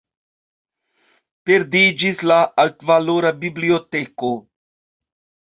Perdiĝis la altvalora biblioteko.